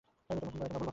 তোমরা ভুল ভাবছো।